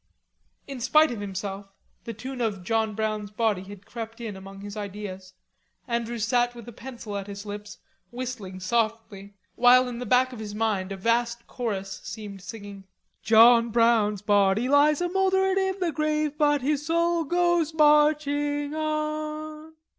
In spite of himself, the tune of "John Brown's Body" had crept in among his ideas. Andrews sat with a pencil at his lips, whistling softly, while in the back of his mind a vast chorus seemed singing: "John Brown's body lies a mouldering in the grave, But his soul goes marching on.